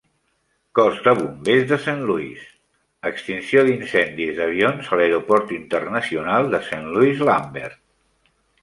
Cos de bombers de Saint Louis - Extinció d'incendis d'avions a l'Aeroport Internacional de Saint Louis-Lambert.